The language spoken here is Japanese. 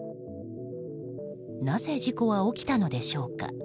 なぜ事故は起きたのでしょうか。